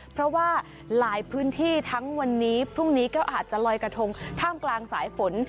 เพราะว่าหลายพื้นที่ทั้งวันนี้พรุ่งนี้ก็อาจจะลอยกระทงท่ามกลางสายฝน